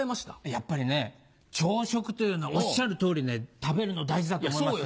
やっぱりね朝食というのはおっしゃる通り食べるの大事だと思いますよ。